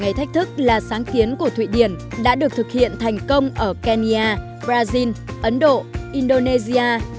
thấy thách thức là sáng kiến của thụy điển đã được thực hiện thành công ở kenya brazil ấn độ indonesia